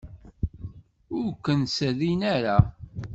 Ur ken-serrin ara.